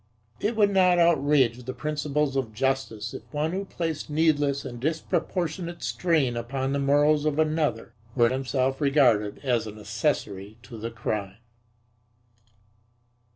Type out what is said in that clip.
It would not outrage the principles of justice if one who placed needless and disproportionate strain upon the morals of another were himself regarded as an accessory to the crime.